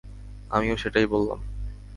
আমিও সেটাই বললাম।